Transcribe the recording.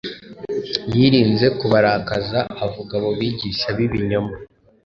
yirinze kubarakaza avuga abo bigisha b’ibinyoma.